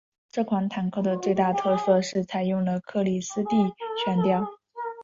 这款坦克的最大特色是采用了克里斯蒂悬吊。